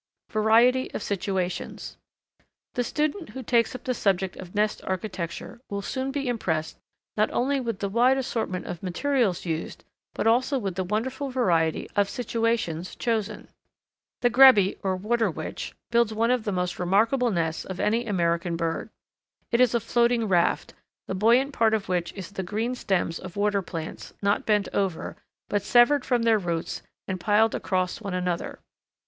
Variety of Situations. The student who takes up the subject of nest architecture will soon be impressed not only with the wide assortment of materials used, but also with the wonderful variety of situations chosen. [Illustration: The Grebe or "Water Witch"] The Grebe, or "Water Witch," builds one of the most remarkable nests of any American bird. It is a floating raft, the buoyant part of which is the green stems of water plants, not bent over, but severed from their roots and piled across one another.